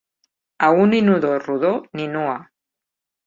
A un inodor rodó, ni nua.